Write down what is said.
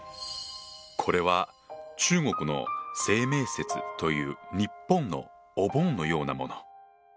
これは中国の清明節という日本のお盆のようなもの。